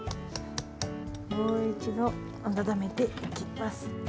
もう一度温めていきます。